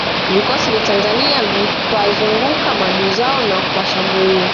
Vikosi vya Tanzania vikwazunguka maadui zao na kuwashambulia